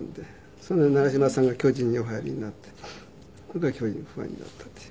それで長嶋さんが巨人にお入りになってそれから巨人のファンになったっていう。